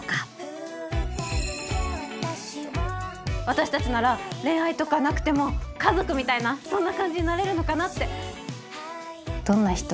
私たちなら恋愛とかなくても家族みたいなそんな感じになれるのかなって。